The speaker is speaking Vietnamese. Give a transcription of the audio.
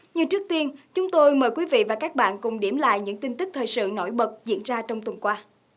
nhưng trước tiên chúng tôi mời quý vị và các bạn cùng điểm lại những tin tức thời sự nổi bật diễn ra trong tuần qua